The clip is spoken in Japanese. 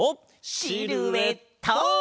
シルエット！